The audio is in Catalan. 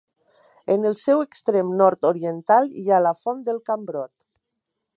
En el seu extrem nord-oriental hi ha la Font del Cambrot.